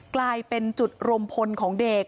กลายเป็นจุดรวมพลของเด็ก